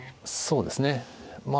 そうですね。